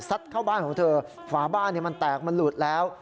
เข้าบ้านของเธอฝาบ้านมันแตกมันหลุดแล้ว